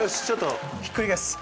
ひっくり返す。